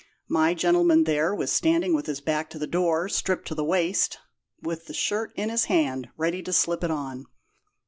My gentleman there was standing with his back to the door, stripped to the waist, with the shirt in his hand, ready to slip it on.